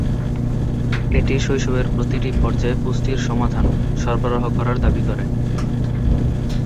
এটি "শৈশবের প্রতিটি পর্যায়ে পুষ্টির সমাধান" সরবরাহ করার দাবি করে।